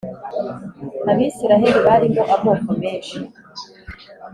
Abisiraheli barimo amoko menshi